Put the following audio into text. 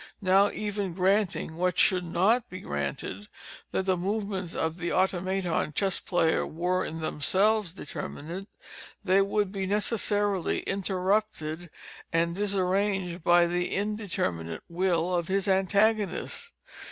Now even granting (what should not be granted) that the movements of the Automaton Chess Player were in themselves determinate, they would be necessarily interrupted and disarranged by the indeterminate will of his antagonist.